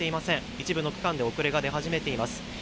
一部の区間で遅れが出始めています。